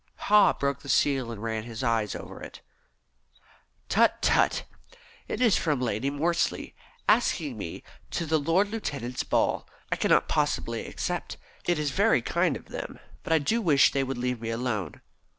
Haw broke the seal and ran his eye over it. "Tut! tut! It is from Lady Morsley, asking me to the Lord Lieutenant's ball. I cannot possibly accept. It is very kind of them, but I do wish they would leave me alone.